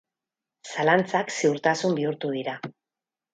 Zalantzak ziurtasun bihurtu dira.